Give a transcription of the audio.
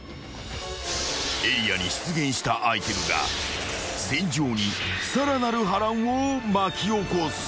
［エリアに出現したアイテムが戦場にさらなる波乱を巻き起こす］